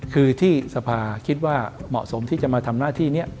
คือที่สภาคิดว่าเหมาะสมที่จะมาทำหน้าที่นี้